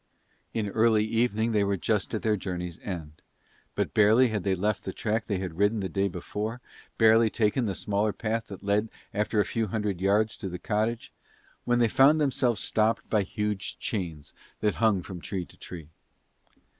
In early evening they were just at their journey's end; but barely had they left the track that they had ridden the day before, barely taken the smaller path that led after a few hundred yards to the cottage when they found themselves stopped by huge chains that hung from tree to tree.